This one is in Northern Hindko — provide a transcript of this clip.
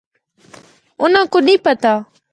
اُنّاں کو نیں پتہ۔